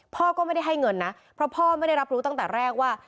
พ่อก็ไม่ได้ให้เงินนะเพราะพ่อไม่ได้รับรู้ตั้งแต่แรกว่า